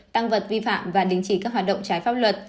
tăng vật vi phạm và đình chỉ các hoạt động trái pháp luật